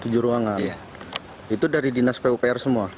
tujuh ruangan itu dari dinas pupr semua